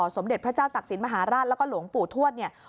สมเด็จพระเจ้าตักศิลปมหาราชแล้วก็หลวงปู่ทวดเนี่ย